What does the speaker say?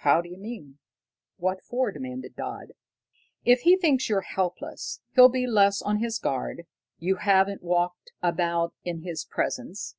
"How d'you mean? What for?" demanded Dodd. "If he thinks you're helpless, he'll be less on his guard. You haven't walked about in his presence."